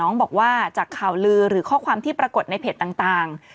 บอกว่าจากข่าวลือหรือข้อความที่ปรากฏในเพจต่าง